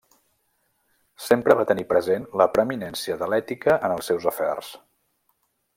Sempre va tenir present la preeminència de l'ètica en els seus afers.